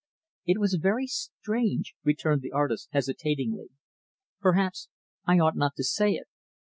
"It was very strange," returned the artist, hesitatingly. "Perhaps I ought not to say it.